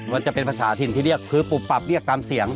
มันจะเป็นภาษาถิ่นที่เรียกคือปุบปับเรียกตามเสียง